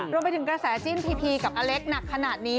รวมไปถึงกระแสจิ้นพีพีกับอเล็กหนักขนาดนี้